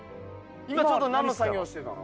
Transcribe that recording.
今ちょうど何の作業してたの？